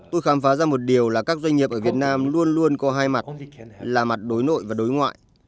tôi khám phá ra một điều là các doanh nghiệp ở việt nam luôn luôn có hai mặt là mặt đối nội và đối ngoại